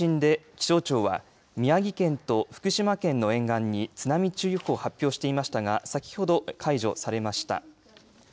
この地震で気象庁は宮城県と福島県の沿岸に津波注意報を発表していましたが先ほど解除されました。